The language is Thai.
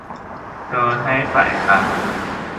โดยให้ฝ่ายค้าน